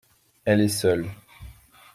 Elle est seule.